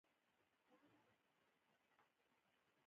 دفاعي اتحاد به خطر مخه ونیسي.